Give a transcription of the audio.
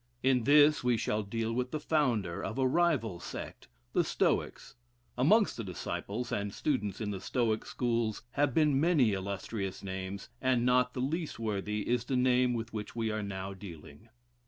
In this we shall deal with the founder of a rival sect the Stoics. Amongst the disciples and students in the Stoic schools have been many illustrious names, and not the least worthy is the name with which we are now dealing.